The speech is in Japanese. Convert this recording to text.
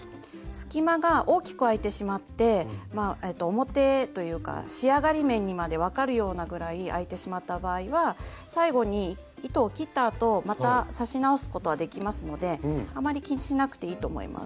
隙間が大きく空いてしまって表というか仕上がり面にまで分かるようなぐらい空いてしまった場合は最後に糸を切ったあとまた刺し直すことはできますのであまり気にしなくていいと思います。